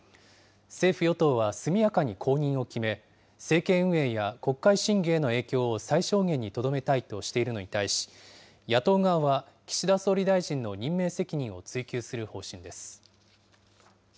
政府・与党は速やかに後任を決め、政権運営や国会審議への影響を最小限にとどめたいとしているのに対し、野党側は岸田総理大臣の任命責任を追及する方針です。